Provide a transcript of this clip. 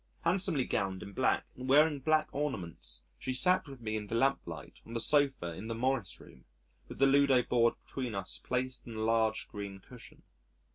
Handsomely gowned in black and wearing black ornaments, she sat with me in the lamplight on the sofa in the Morris Room, with the Ludo board between us placed on a large green cushion.